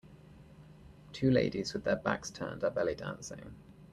Two ladies with their backs turned are belly dancing.